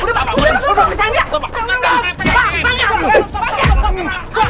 udah pak udah pak